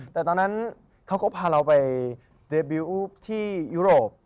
แต่ตอนนั้นเขาก็พาเราไปเจบิวอุ๊บที่ยุโรป